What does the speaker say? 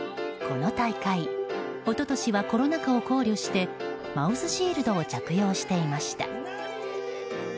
この大会一昨年はコロナ禍を考慮してマウスシールドを着用していました。